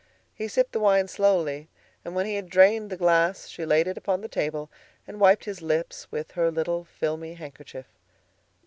He sipped the wine slowly, and when he had drained the glass she laid it upon the table and wiped his lips with her little filmy handkerchief.